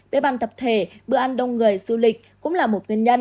bế bàn tập thể bữa ăn đông người du lịch cũng là một nguyên nhân